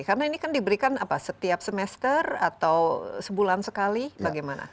karena ini kan diberikan apa setiap semester atau sebulan sekali bagaimana